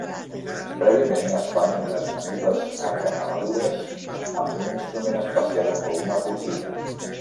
Prèviament es fan unes menudes acanaladures amb un instrument especial o una forquilla.